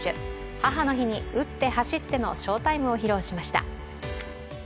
母の日に打って、走っての翔タイムを披露しました。